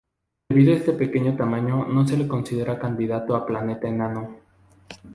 Debido a este pequeño tamaño no se le considera candidato a planeta enano.